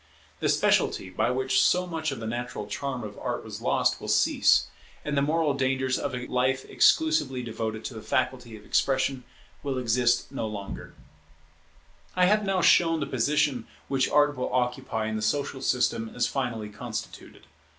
The speciality by which so much of the natural charm of Art was lost will cease, and the moral dangers of a life exclusively devoted to the faculty of expression, will exist no longer. [Value of Art in the present crisis] I have now shown the position which Art will occupy in the social system as finally constituted.